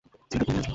ছেলেটা ঘুমিয়ে আছে।